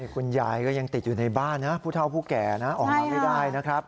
คุณยายก็ยังติดอยู่ในบ้านนะผู้เท่าผู้แก่นะออกมาไม่ได้นะครับ